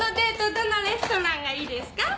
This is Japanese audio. どのレストランがいいですか？